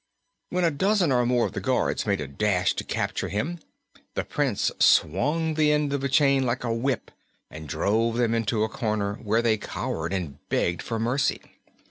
When a dozen or more of the guards made a dash to capture him, the Prince swung the end of the chain like a whip and drove them into a corner, where they cowered and begged for mercy.